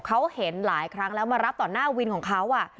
เขาเห็นหลายครั้งแล้วมารับต่อหน้าวินของเขา